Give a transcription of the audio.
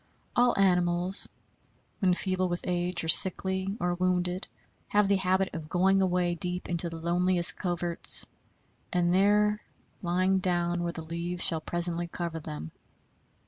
All animals, when feeble with age, or sickly, or wounded, have the habit of going away deep into the loneliest coverts, and there lying down where the leaves shall presently cover them.